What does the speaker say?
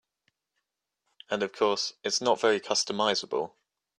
And of course, it's not very customizable.